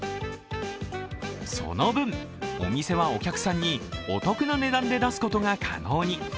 その分、お店はお客さんにお得な値段で出すことが可能に。